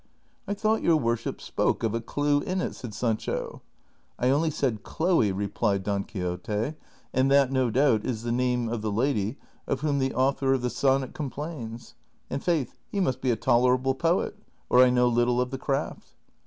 " I thought your worship spoke of a clew in it," said Sancho. " I only said Chloe," replied Don Quixote ;" and that, no doubt, is the name of the lady of whom the author of the sonnet complains ; and, faith, he must be a tolerable poet, or I know little of the craft."